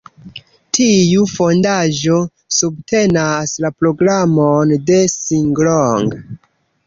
Tiu fondaĵo subtenas la programon de Singlong.